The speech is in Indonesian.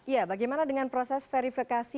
ya bagaimana dengan proses verifikasi